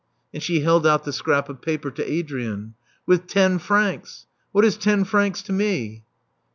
And she held out the scrap of paper to Adrian. With ten francs. What is ten francs to me!"